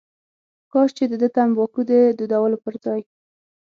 کاش چې دده تنباکو د دودولو پر ځای.